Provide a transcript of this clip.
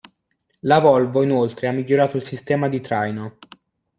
La Volvo inoltre ha migliorato il sistema di traino.